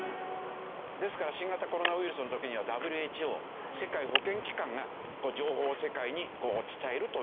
ですから新型コロナウイルスの時にはＷＨＯ世界保健機関が情報を世界に伝えるという事をしてましたけど。